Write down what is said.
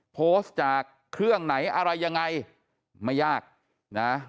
โพสต์จากเครื่องไหนอะไรยังไงไม่ยากนะ